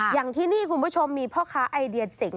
อย่างที่นี่คุณผู้ชมมีพ่อค้าไอเดียเจ๋ง